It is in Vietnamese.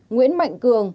bảy nguyễn mạnh cường